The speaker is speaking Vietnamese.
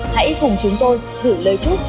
hãy cùng chúng tôi gửi lời chúc